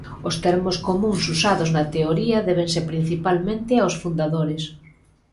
Os termos comúns usados na teoría débense principalmente aos fundadores.